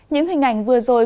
những hình ảnh vừa rồi